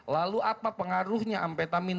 lalu apa pengaruhnya amfetamin